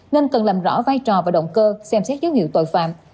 nên cần làm rõ vai trò và động cơ xem xét dấu hiệu tội phạm